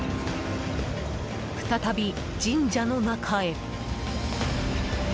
再び神社の中へ。